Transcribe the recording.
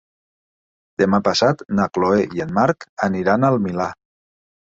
Demà passat na Chloé i en Marc aniran al Milà.